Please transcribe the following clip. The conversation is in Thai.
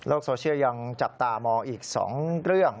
โซเชียลยังจับตามองอีก๒เรื่อง